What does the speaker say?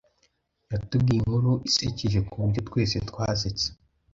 Yatubwiye inkuru isekeje kuburyo twese twasetse.